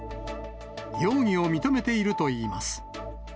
容疑を認めているといいます。